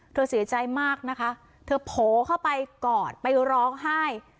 เธอเสียใจมากนะคะเธอโผล่เข้าไปกอดไปร้องไห้